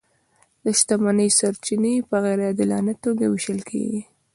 د شتمنۍ سرچینې په غیر عادلانه توګه وېشل کیږي.